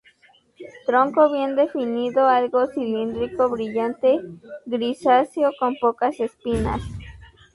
Tronco bien definido, algo cilíndrico, brillante, grisáceo, con pocas espinas.